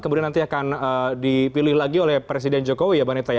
kemudian nanti akan dipilih lagi oleh presiden jokowi ya mbak neta ya